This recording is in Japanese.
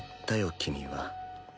君は。